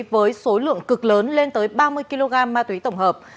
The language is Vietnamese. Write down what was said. với số lượng cực lớn lên tới ba mươi kg ma túy tổng hợp